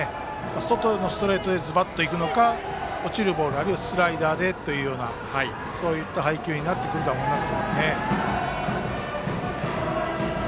外へのストレートでズバッといくのか落ちるボールあるいはスライダーでという配球になってくると思います。